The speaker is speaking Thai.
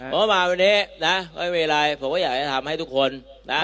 ผมมาวันนี้นะไม่มีไรผมก็อยากจะทำให้ทุกคนนะ